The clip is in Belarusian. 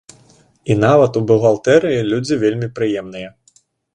І нават у бухгалтэрыі людзі вельмі прыемныя.